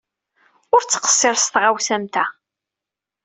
Ur ttqeṣṣir s tɣawsa am ta.